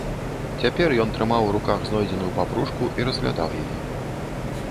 Цяпер ён трымаў у руках знойдзеную папружку і разглядаў яе.